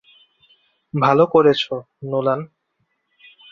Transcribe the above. ভালো করেছো, নোলান।